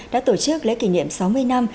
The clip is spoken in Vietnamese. đã tổ chức lễ kỷ niệm sáu mươi năm